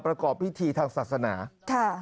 ประกอบพิธีทางศาสนาค่ะ